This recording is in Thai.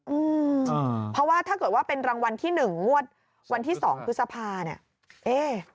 อืมเพราะว่าถ้าเกิดว่าเป็นรางวัลที่หนึ่งงวดวันที่สองพฤษภาเนี่ยเอ๊